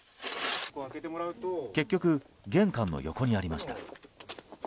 結局、玄関の横にありました。